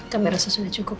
kamera saya sudah cukup